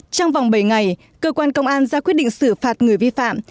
trong vòng bảy ngày cơ quan công an ra quyết định xử phạt người vi phạm